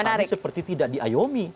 tapi seperti tidak diayomi